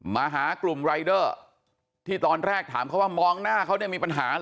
มาหากลุ่มรายเดอร์ที่ตอนแรกถามเขาว่ามองหน้าเขาเนี่ยมีปัญหาเหรอ